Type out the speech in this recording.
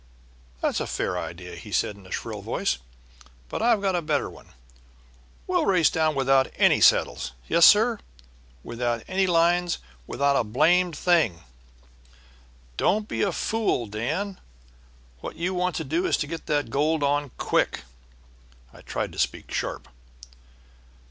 "'That's a fair idea,' said he in a shrill voice, 'but I've got a better one. We'll race down without any saddles; yes, sir, without any lines, without a blamed thing.' "'Don't be a fool, Dan. What you want to do is to get that gold on quick.' I tried to speak sharp.